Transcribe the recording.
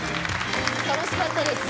楽しかったです。